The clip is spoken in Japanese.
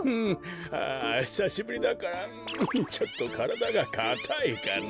あひさしぶりだからんちょっとからだがかたいかな。